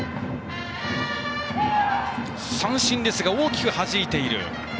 三振ですが大きくはじいた。